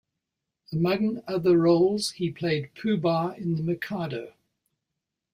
Among other roles, he played Pooh-Bah in "The Mikado".